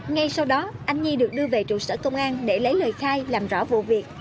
ngay sau đó anh nhi được đưa về trụ sở công an để lấy lời khai làm rõ vụ việc